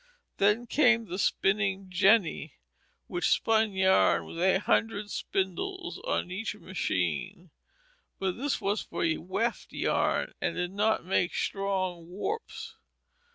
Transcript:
Then came the spinning jenny, which spun yarn with a hundred spindles on each machine. But this was for weft yarns, and did not make strong warps.